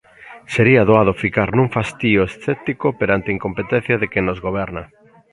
Sería doado ficar nun fastío escéptico perante a incompetencia de quen nos goberna.